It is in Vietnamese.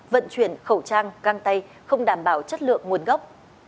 vận chuyển khẩu trang găng tay không đảm bảo chất lượng nguồn gốc